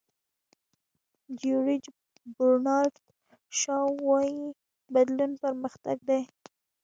جیورج برنارد شاو وایي بدلون پرمختګ دی.